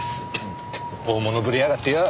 大物ぶりやがってよ。